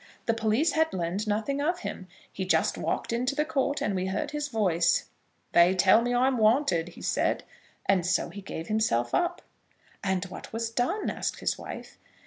The police had learned nothing of him. He just walked into the court, and we heard his voice. 'They tell me I'm wanted,' he said; and so he gave himself up." "And what was done?" asked his wife.